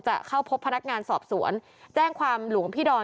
จะเข้าพบพนักงานสอบสวนแจ้งความหลวงพี่ดอน